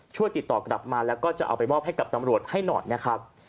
ช่วยติดต่อกลับมาแล้วก็จะเอาไปมอบให้กับตำรวจให้หน่อยนะครับ